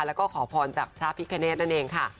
แล้วก็ขอพรจากพระพิคเนธนั่นเองค่ะ